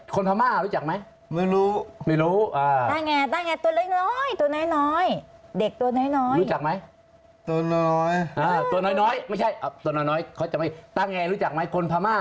ฝนรู้จักน้องไหมลูก